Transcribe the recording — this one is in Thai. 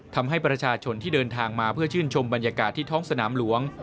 ทำให้ประชาชนที่เดินทางมาเพื่อชื่นชมบรรยากาศที่ท้องสนามหลวง